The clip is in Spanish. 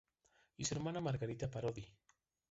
Y su hermana Margarita Parodi.